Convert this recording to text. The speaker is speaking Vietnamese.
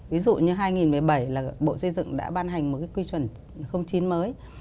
ví dụ như hai nghìn một mươi bảy là bộ xây dựng đã ban hành một cái quy chuẩn chín mới